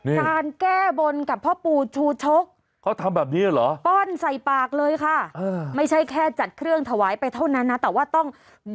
การแก้บนกับพ่อปู่ชูชกเขาทำแบบนี้เหรอป้อนใส่ปากเลยค่ะไม่ใช่แค่จัดเครื่องถวายไปเท่านั้นนะแต่ว่าต้อง